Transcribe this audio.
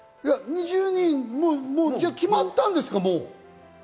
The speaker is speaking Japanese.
２０人、じゃあ決まったんですか？